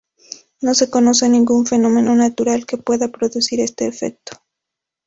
No se conoce ningún fenómeno natural que pueda producir este efecto.